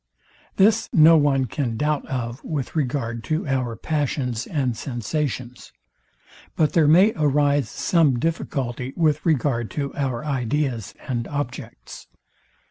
This no one can doubt of with regard to our passions and sensations. But there may arise some difficulty with regard to our ideas and objects.